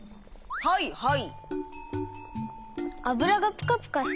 はいはい。